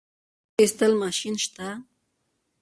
د کوچو ایستلو ماشین شته؟